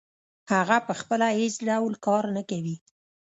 هغه پخپله هېڅ ډول کار نه کوي